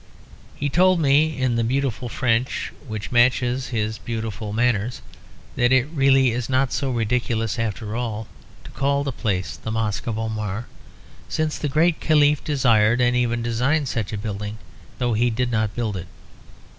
He told me, in the beautiful French which matches his beautiful manners, that it really is not so ridiculous after all to call the place the Mosque of Omar, since the great Caliph desired and even designed such a building, though he did not build it.